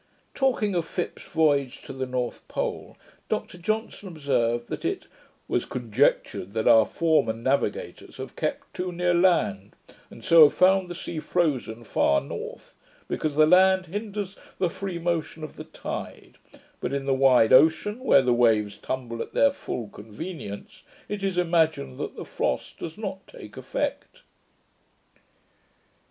Talking of Phipps's voyage to the North Pole, Dr Johnson observed, that it 'was conjectured that our former navigators have kept too near land, and so have found the sea frozen far north, because the land hinders the free motion of the tide; but, in the wide ocean, where the waves tumble at their full convenience, it is imagined that the frost does not take effect'.